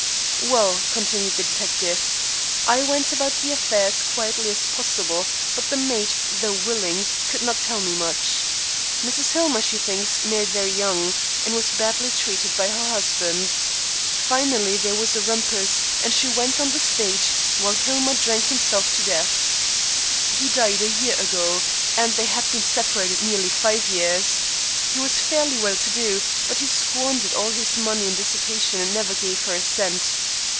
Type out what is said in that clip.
"Well," continued the detective, "I went about the affair as quietly as possible, but the maid, though willing, could not tell me much. Mrs. Hillmer, she thinks, married very young, and was badly treated by her husband. Finally, there was a rumpus, and she went on the stage, while Hillmer drank himself to death. He died a year ago, and they had been separated nearly five years. He was fairly well to do, but he squandered all his money in dissipation and never gave her a cent.